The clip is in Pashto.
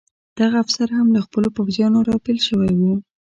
دغه افسر هم له خپلو پوځیانو را بېل شوی و.